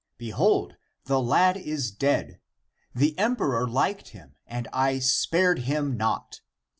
Behold, the lad is dead; the emperor liked him, and I spared him not.